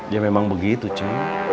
dia memang begitu cu